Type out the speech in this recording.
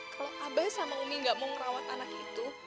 kalau abai sama umi gak mau ngerawat anak itu